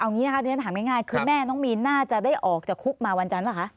อย่างนี้นะคะที่ฉันถามง่ายคือแม่น้องมีนน่าจะได้ออกจากคุกมาวันจันทร์ป่ะคะ